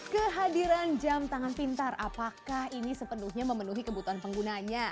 kehadiran jam tangan pintar apakah ini sepenuhnya memenuhi kebutuhan penggunanya